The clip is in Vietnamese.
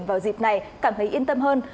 vào dịp này cảm thấy yên tâm hơn